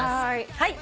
はい。